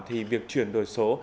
thì việc chuyển đổi số